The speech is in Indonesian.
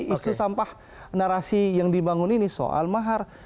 isu sampah narasi yang dibangun ini soal mahar